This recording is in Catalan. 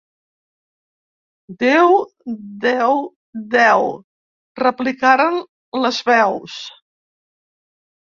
Déu deu deu —replicaren les veus.